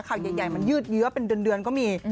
ข่าวใหญ่มันยืดเยื้อเป็นเดือนก็มี